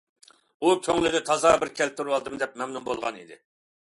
ئۇ كۆڭلىدە« تازا بىر كەلتۈرۈۋالدىم» دەپ مەمنۇن بولغانىدى.